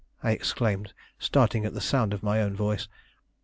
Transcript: I exclaimed, starting at the sound of my own voice.